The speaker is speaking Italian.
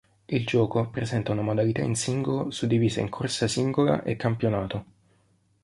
Il gioco presenta una modalità in singolo suddivisa in corsa singola e campionato.